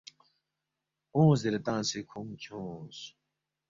اونگ زیرے تنگسے کھونگ کھیونگس